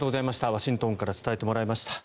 ワシントンから伝えてもらいました。